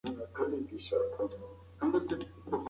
وچې مېوې د تازه مېوو په پرتله ډېره زیاته انرژي لري.